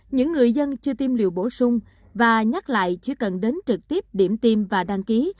những người dân chưa tiêm liều bổ sung và nhắc lại chỉ cần đến trực tiếp điểm tiêm và đăng ký